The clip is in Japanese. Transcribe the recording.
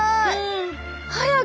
早く！